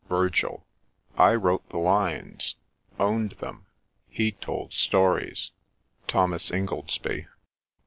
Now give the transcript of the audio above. — VIRGIL. I wrote the lines —... owned them — he told stories 1 THOMAS INGOLDSBY.